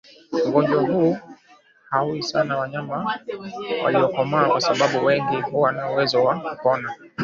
Ugonjwa huu hauui sana wanyama waliokomaa kwa sababu wengi huwa na uwezo wa kupona